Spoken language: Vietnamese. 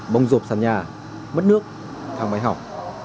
bông rộp sàn nhà mất nước thằng bấy học